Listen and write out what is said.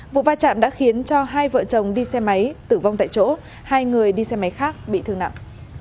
vụ va chạm đã khiến cho hai vợ chồng đi xe máy tử vong tại chỗ hai người đi xe máy khác bị thương nặng